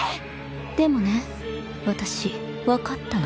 でもね私分かったの。